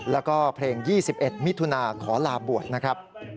แล้วก็เพลง๒๑มิถุนาขอลาบวชนะครับ